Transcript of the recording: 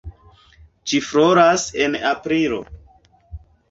Ĝi floras en aprilo.